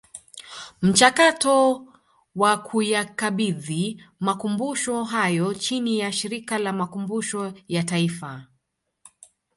Mchakato wa kuyakabidhi Makumbusho hayo chini ya Shirika la Makumbusho ya Taifa